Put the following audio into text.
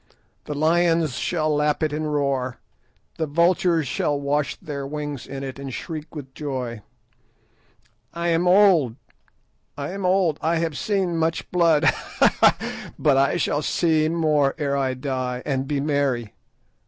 The lions shall lap it and roar, the vultures shall wash their wings in it and shriek with joy. "I am old! I am old! I have seen much blood; ha, ha! but I shall see more ere I die, and be merry.